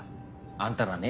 あんたらね